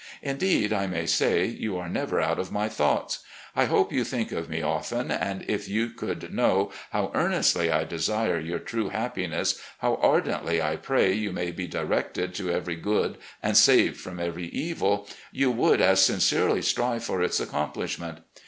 Indeed, I may say, you are never out of my thoughts. I hope you think of me often, and if you could know how earnestly I desire your true happi ness, how ardently I pray you may be directed to every good and saved from every evil, you would as sincerely strive for its accomplishment.